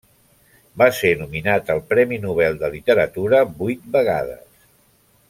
Va ser nominat al Premi Nobel de Literatura vuit vegades.